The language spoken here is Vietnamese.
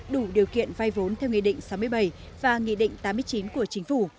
đủ điều kiện vay vốn theo nghị định sáu mươi bảy và nghị định tám mươi chín của chính phủ